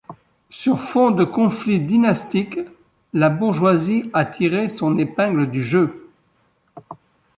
Sur fond de conflit dynastique, la bourgeoisie a tiré son épingle du jeu.